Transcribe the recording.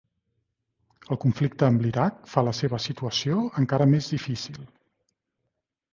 El conflicte amb l'Iraq fa la seva situació encara més difícil.